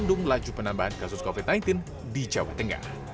kandung laju penambahan kasus covid sembilan belas di jawa tengah